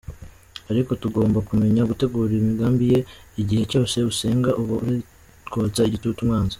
Ariko tugomba kumenya gutegura imigambi ye, igihe cyose usenga uba uri kotsa igitutu umwanzi.